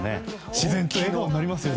自然と笑顔になりますよね。